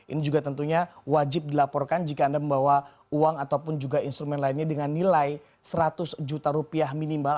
ini juga tentunya wajib dilaporkan jika anda membawa uang ataupun juga instrumen lainnya dengan nilai seratus juta rupiah minimal